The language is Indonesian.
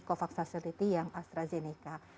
covaxasil yang astrazeneca